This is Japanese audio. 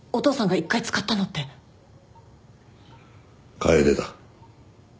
楓だ。